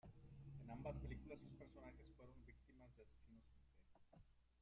En ambas películas sus personajes fueron víctimas de asesinos en serie.